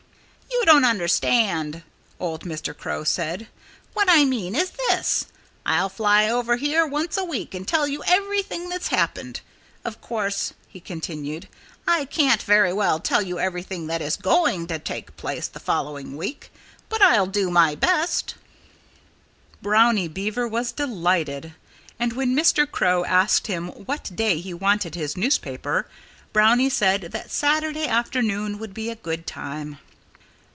"You don't understand," old Mr. Crow said. "What I mean is this: I'll fly over here once a week and tell you everything that's happened. Of course," he continued, "I can't very well tell you everything that is going to take place the following week. But I'll do my best." Brownie Beaver was delighted. And when Mr. Crow asked him what day he wanted his newspaper Brownie said that Saturday afternoon would be a good time.